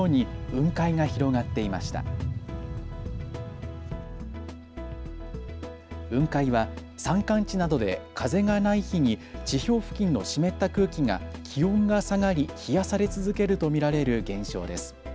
雲海は山間地などで風がない日に地表付近の湿った空気が気温が下がり冷やされ続けると見られる現象です。